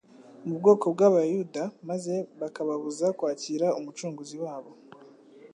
mu bwoko bw'abayuda maze bakababuza kwakira Umucunguzi wabo.